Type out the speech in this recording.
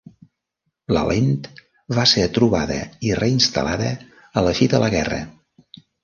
La lent va ser trobada i reinstal·lada a la fi de la guerra.